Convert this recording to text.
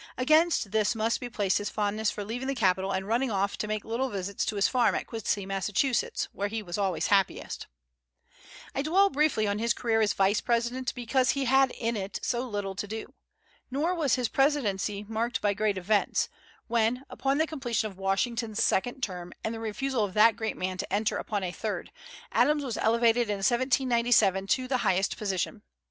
Against this must be placed his fondness for leaving the capital and running off to make little visits to his farm at Quincy, Massachusetts, where he was always happiest. I dwell briefly on his career as Vice President because he had in it so little to do. Nor was his presidency marked by great events, when, upon the completion of Washington's second term, and the refusal of that great man to enter upon a third, Adams was elevated in 1797 to the highest position.